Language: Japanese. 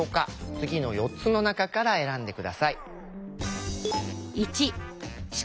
次の４つの中から選んで下さい。